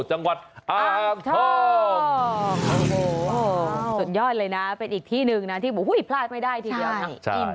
จังหวัดอัมทมสุดยอดเลยนะเป็นอีกที่นึงนะที่พลาดไม่ได้ทีเดียว